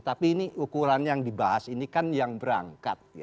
tapi ini ukuran yang dibahas ini kan yang berangkat